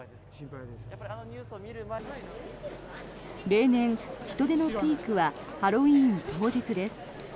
例年、人出のピークはハロウィーン当日です。